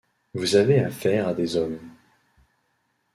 Vous avez affaire à des hommes.